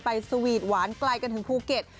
ไปสวีตแวลวงรถวานไกลกันถึงภูเกต